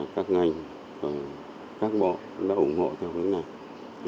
các ngành các bộ đã ủng hộ theo hướng này